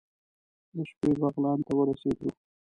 د شپې بغلان ته ورسېدو.